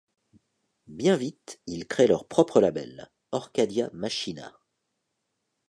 Bien vite, ils créent leur propre label, Orcadia Machina.